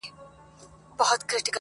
• د چا غمو ته به ځواب نه وايو.